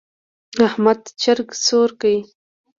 احمد چرګ سور کړ.